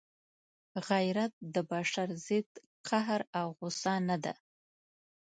غیرت د بشر ضد قهر او غصه نه ده.